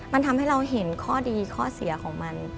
มันทำให้เราเห็นข้อดีข้อเสียของมัน